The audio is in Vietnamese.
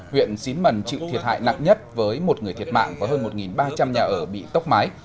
huyện xín mần chịu thiệt hại nặng nhất với một người thiệt mạng và hơn một ba trăm linh nhà ở bị tốc mái